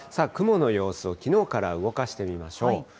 雲の様子をきのうから動かしてみましょう。